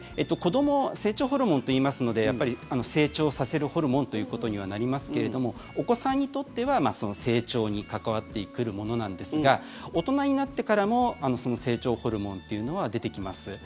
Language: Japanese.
成長ホルモンといいますのでやっぱり成長させるホルモンということにはなりますけれどもお子さんにとっては、成長に関わってくるものなんですが大人になってからも成長ホルモンというのは出てきます。